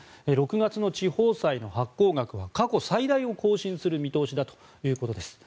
６月の地方債の発行額は過去最大を更新する見通しだということです。